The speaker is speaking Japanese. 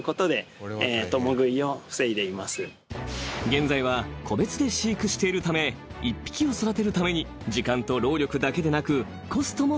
［現在は個別で飼育しているため１匹を育てるために時間と労力だけでなくコストもかかってしまいます］